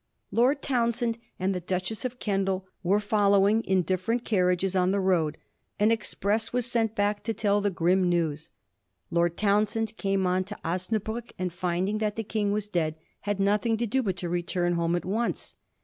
Lord Townshend and the Duchess of Kendal were following in different carriages on the road ; an express was sent back to tell them the grim news. Lord Townshend came on to Osnabruck, and, finding that the King was dead, had nothing to do but to return home at once.